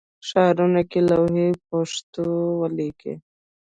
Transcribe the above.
ښارونو کې لوحې پښتو ولیکئ